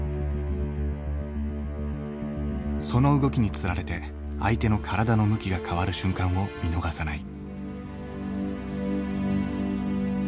その動きにつられて相手の体の向きが変わる瞬間を見逃さない。